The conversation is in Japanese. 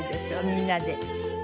みんなで。